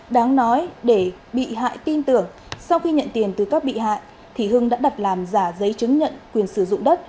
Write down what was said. đáng nói để bị hại tin tưởng sau khi nhận tiền từ các bị hại thì hưng đã đặt làm giả giấy chứng nhận quyền sử dụng đất